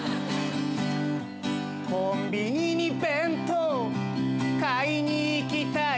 「コンビニに弁当買いに行きたい」